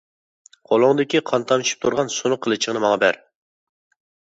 قولۇڭدىكى قان تامچىپ تۇرغان سۇنۇق قىلىچىڭنى ماڭا بەر!